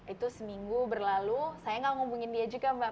itu seminggu berlalu saya enggak mau hubungi dia juga mbak